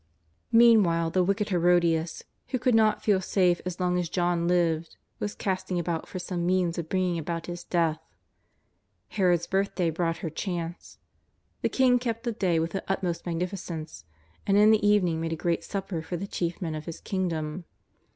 Meanwhile the wicked Herodias, who could not feel safe so long as John lived, was casting about for some means of bringing about his death. Herod's birthday brought her chance. The king kept the day with the utmost magnificence, and in the evening made a great supper for the chief men of his kingdom.